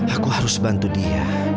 aku harus bantu dia